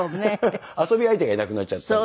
遊び相手がいなくなっちゃった。